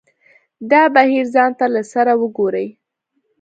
دا بهیر ځان ته له سره وګوري.